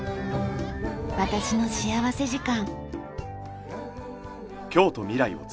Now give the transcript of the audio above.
『私の幸福時間』。